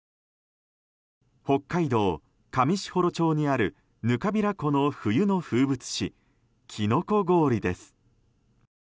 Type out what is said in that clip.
北海道上士幌町にある糠平湖の冬の風物詩キノコ氷です。